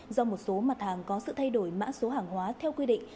do một số mặt hàng có sự thay đổi mã số hàng hóa theo quy định